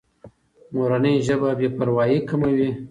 مورنۍ ژبه بې پروایي کموي.